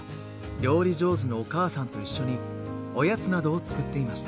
料理上手のお母さんと一緒におやつなどを作っていました。